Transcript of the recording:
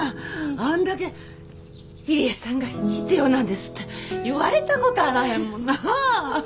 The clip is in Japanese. あんだけ「入江さんが必要なんです」って言われたことあらへんもんな？